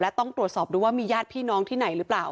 และต้องตรวจสอบดูว่ามีญาติพี่น้องที่ไหนหรือเปล่า